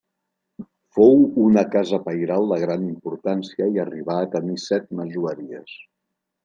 Fou una casa pairal de gran importància i arribà a tenir set masoveries.